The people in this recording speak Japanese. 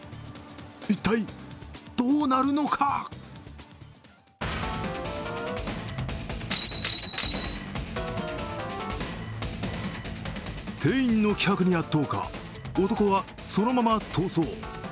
一体、どうなるのか店員の気迫に圧倒か、男はそのまま逃走。